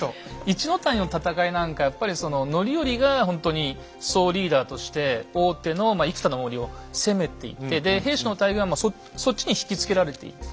一の谷の戦いなんかやっぱりその範頼がほんとに総リーダーとして大手の生田の森を攻めていってで平氏の大軍はそっちに引きつけられている。